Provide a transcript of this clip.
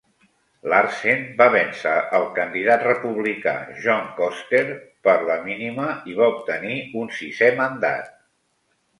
Larsen va vèncer el candidat republicà John Koster per la mínima, i va obtenir un sisè mandat.